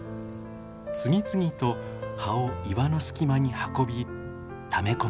次々と葉を岩の隙間に運びため込みます。